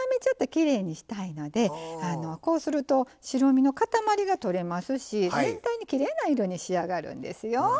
ちょっときれいにしたいのでこうすると白身のかたまりが取れますし全体にきれいな色に仕上がるんですよ。